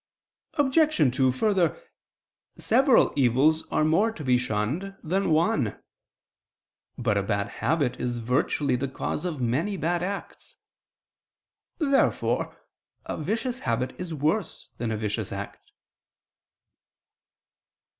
Obj. 2: Further, several evils are more to be shunned than one. But a bad habit is virtually the cause of many bad acts. Therefore a vicious habit is worse than a vicious act.